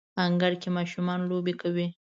انګړ کې ماشومان لوبې کوي